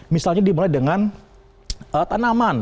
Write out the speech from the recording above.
misalnya dimulai dengan tanaman